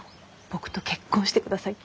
僕と結婚してください！」。